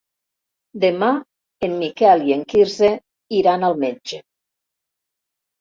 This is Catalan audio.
Demà en Miquel i en Quirze iran al metge.